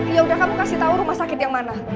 yaudah kamu kasih tau rumah sakit yang mana